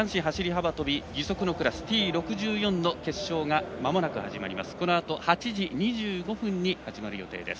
男子走り幅跳び義足のクラスＴ６４の決勝がまもなく始まります。